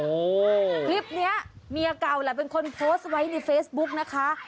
โอ้โหคลิปนี้เมียเก่าแหละเป็นคนโพสต์ไว้ในเฟซบุ๊กนะคะ